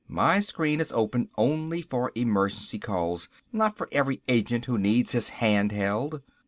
My screen is open only for emergency calls, not for every agent who needs his hand held."